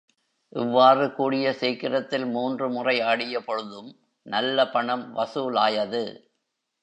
இவ்வாறு கூடிய சீக்கிரத்தில் மூன்று முறை ஆடிய பொழுதும் நல்ல பணம் வசூலாயது.